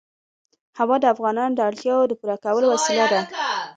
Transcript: هوا د افغانانو د اړتیاوو د پوره کولو وسیله ده.